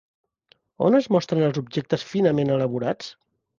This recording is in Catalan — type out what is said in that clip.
On es mostren els objectes finament elaborats?